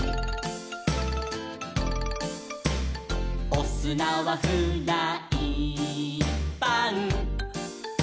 「おすなはフライパン」